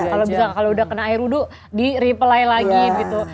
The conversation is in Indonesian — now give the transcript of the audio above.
kalau udah kena air uduk di reply lagi gitu